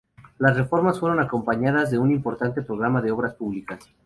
Las reformas fueron acompañadas de un importante programa de obras públicas.